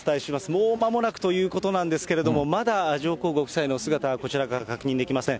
もうまもなくということなんですけれども、まだ上皇ご夫妻のお姿は、こちらからは確認できません。